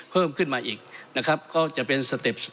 เพิ่มขึ้นมาอีกนะครับก็จะเป็นสเต็ป